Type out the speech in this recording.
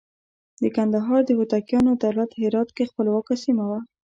د کندهار د هوتکیانو دولت هرات کې خپلواکه سیمه وه.